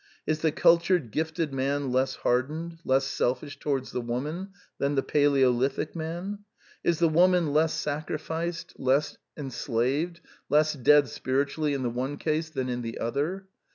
Is the cultured gifted man less hard ened, less selfish towards the woman, than the paleolithic man? Is the woman less sacrificed, The Last Four Plays 171 less enslaved, less dead spiritually in the one case than in the other?